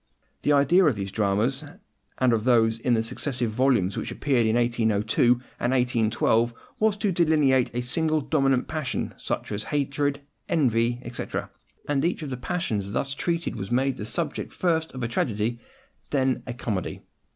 The idea of these dramas, and of those in the successive volumes which appeared in 1802 and 1812, was to delineate a single dominant passion, such as hatred, envy, etc.; and each of the passions thus treated was made the subject first of a tragedy, then of a comedy.